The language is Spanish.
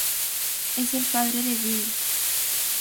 Es el padre de Billy.